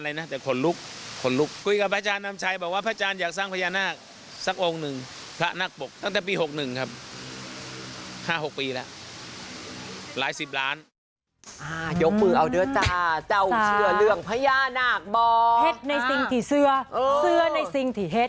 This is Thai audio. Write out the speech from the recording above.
เฮ็ดในสิ่งที่เสื้อเสื้อในสิ่งที่เฮ็ด